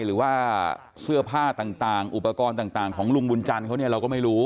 หรือว่าเสื้อผ้าต่างอุปกรณ์ต่างของลุงบุญจันทร์เขาเนี่ยเราก็ไม่รู้